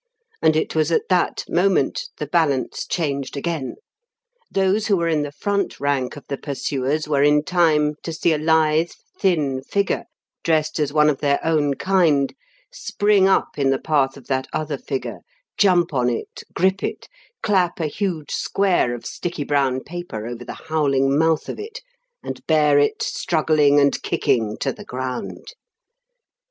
And it was at that moment the balance changed again. Those who were in the front rank of the pursuers were in time to see a lithe, thin figure dressed as one of their own kind spring up in the path of that other figure, jump on it, grip it, clap a huge square of sticky brown paper over the howling mouth of it, and bear it, struggling and kicking, to the ground.